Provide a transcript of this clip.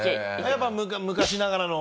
やっぱ昔ながらの。